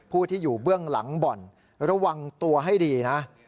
ผู้ที่อยู่เบื้องหลังบ่อนระวังตัวให้ดีนะ